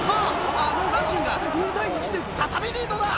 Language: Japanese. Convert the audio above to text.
あのラシンが２対１で再びリードだ。